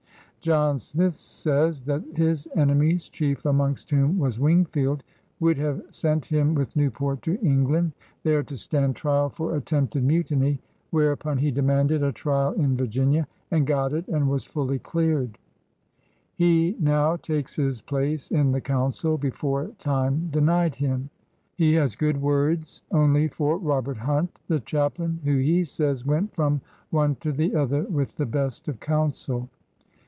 John Smith says that his enemies, chief amongst whom was Wingfield, would have s^it him with Newport to England, there to stand trial for JAMESTOWN S8 attempted mutiny, whereupon he demanded a trial in Virginia, and got it and was fully cleared. He now takes his place in the Council, beforetime denied him. He has good words only for Robert Hunt, the chaplain, who, he says, went from one to the other with the best of counsel.